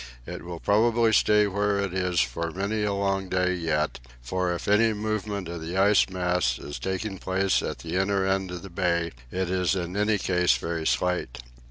It will probably stay where it is for many a long day yet, for if any movement of the ice mass is taking place at the inner end of the bay, it is in any case very slight.